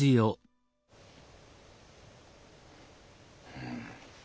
うん。